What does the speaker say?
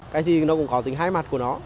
cái gì nó cũng có tính hai mặt của nó